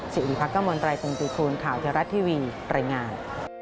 สิริภักษ์กระมวลไตรตรงปีคูณข่าวเทียรัตน์ทีวีปริงาน